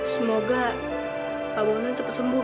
semoga pak bowongan cepat sembuh